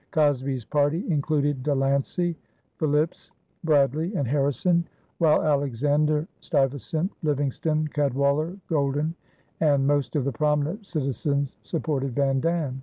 Cosby's party included De Lancey, Philipse, Bradley, and Harrison, while Alexander, Stuyvesant, Livingston, Cadwallader Golden, and most of the prominent citizens, supported Van Dam.